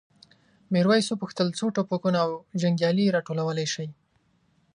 میرويس وپوښتل څو ټوپکونه او جنګیالي راټولولی شئ؟